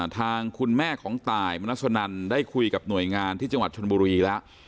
ทางคุณแม่ของตายมนัสนันได้คุยกับหน่วยงานที่จังหวัดชนบุรีแล้ว